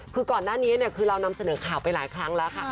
คือก่อนหน้านี้คือเรานำเสนอข่าวไปหลายครั้งแล้วค่ะ